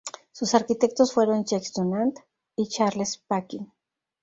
Sus arquitectos fueron Jacques Dunant y Charles Paquin.